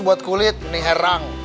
buat kulit neng herang